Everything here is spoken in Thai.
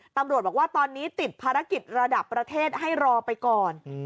ตำรวจบอกว่าตอนนี้ติดภารกิจระดับประเทศให้รอไปก่อน